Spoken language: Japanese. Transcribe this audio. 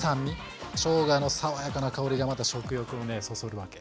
しょうがの爽やかな香りがまた食欲をそそるわけ。